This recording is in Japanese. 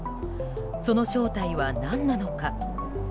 その正体は何なのか？